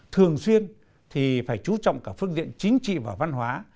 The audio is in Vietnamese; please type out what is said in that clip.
thường xuyên thì phải chú trọng cả phương diện chính trị và văn hóa